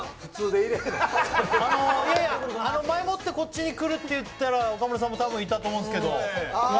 いやいや、前もってこっちに来るって言ったら、岡村さんもたぶんいたと思うんですけど。